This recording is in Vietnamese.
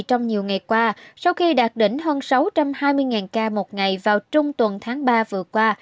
trong nhiều ngày qua sau khi đạt đỉnh hơn sáu trăm hai mươi ca một ngày vào trung tuần tháng ba vừa qua